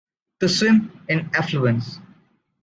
To swim in affluence.